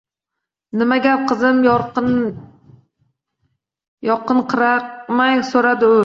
Nima gap, qizim? – yoqinqiramay soʻradi u.